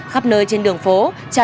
đã đi qua